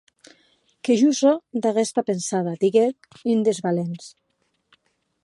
Que jo sò d'aguesta pensada, didec un des valents.